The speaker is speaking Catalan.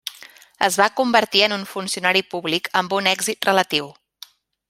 Es va convertir en un funcionari públic amb un èxit relatiu.